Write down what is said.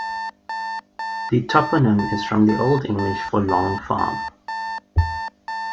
The toponym is from the Old English for "long farm".